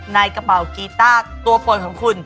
ในกระเป๋ากีตาร์ตัวปนของคุณ